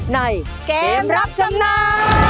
ในเกมรับจำนำ